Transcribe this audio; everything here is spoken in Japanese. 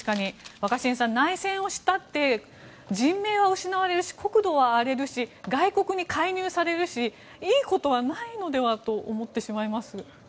若新さん、内戦をしたって人命は失われるし国土は荒れるし外国に介入されるしいいことはないのではと思ってしまいます。